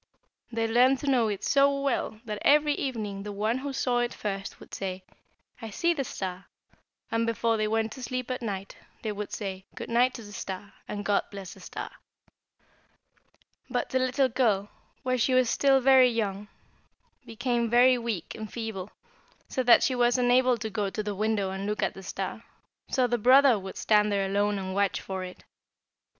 They learned to know it so well that every evening the one who saw it first would say, 'I see the star,' and before they went to sleep at night they would say 'Good night' to the star, and, 'God bless the star!' "But the little girl, while she was still very young, became very weak and feeble, so that she was unable to go to the window and look at the star, so the brother would stand there alone and watch for it.